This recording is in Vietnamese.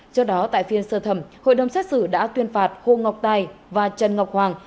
trước đó tại phiên sơ thẩm hội đồng xét xử đã tuyên phạt hồ ngọc tài và trần ngọc hoàng